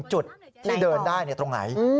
จุดที่เดินได้ตรงไหน